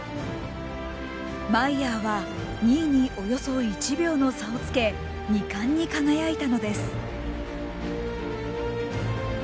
マイヤーは２位におよそ１秒の差をつけ２冠に輝いたのです。